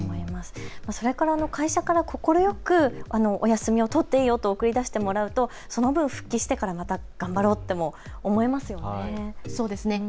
それから会社から快くお休みを取っていいよと送り出してもらうとその分、復帰してからまた頑張ろうとも思いますよね。